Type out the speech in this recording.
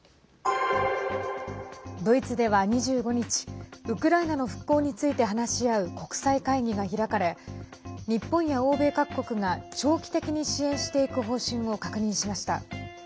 ドイツでは２５日ウクライナの復興について話し合う国際会議が開かれ日本や欧米各国が長期的に支援していく方針を確認しました。